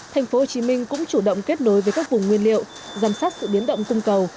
thành phố hồ chí minh cũng chủ động kết nối với các vùng nguyên liệu giám sát sự biến động cung cầu